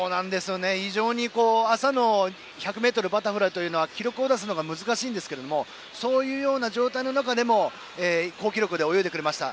非常に朝の１００ｍバタフライというのは記録を出すのが難しいんですけどそういう状態の中でも、好記録で泳いでくれました。